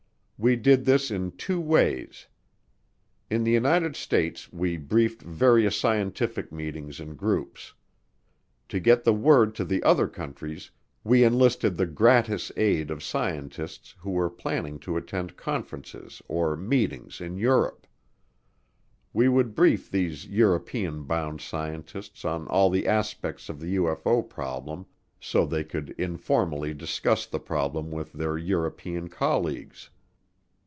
We did this in two ways. In the United States we briefed various scientific meetings and groups. To get the word to the other countries, we enlisted the gratis aid of scientists who were planning to attend conferences or meetings in Europe. We would brief these European bound scientists on all of the aspects of the UFO problem so they could informally discuss the problem with their European colleagues.